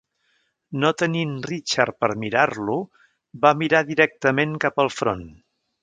No tenint Richard per mirar-lo, va mirar directament cap al front.